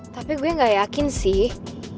tapi gue gak yakin sih